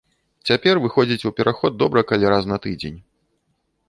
Цяпер выходзіць у пераход добра калі раз на тыдзень.